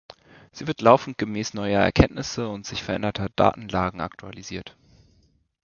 Sie wird laufend gemäß neuer Erkenntnisse und sich verändernder Datenlage aktualisiert.